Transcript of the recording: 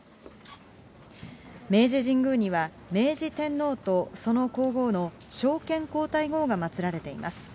明治神宮には、明治天皇とその皇后の昭憲皇太后が祭られています。